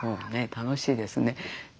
楽しいですね。